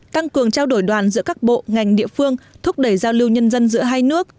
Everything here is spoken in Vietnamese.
tăng cường trao đổi đoàn giữa các bộ ngành địa phương thúc đẩy giao lưu nhân dân giữa hai nước